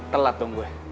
telat dong gue